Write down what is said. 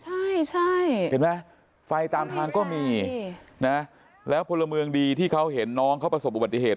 ใช่ใช่เห็นไหมไฟตามทางก็มีนะแล้วพลเมืองดีที่เขาเห็นน้องเขาประสบอุบัติเหตุ